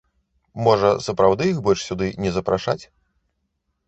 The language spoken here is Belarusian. Можа, сапраўды іх больш сюды не запрашаць?